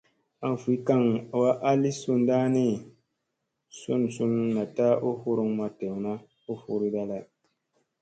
Aŋ vi kaŋ wa a li sunɗa ni, sun sun naɗta u huruŋ ma dewna u furiɗa lay.